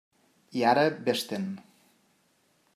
I ara vés-te'n.